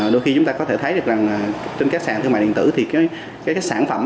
đôi khi chúng ta có thể thấy được rằng trên các sàn thương mại điện tử thì các cái sản phẩm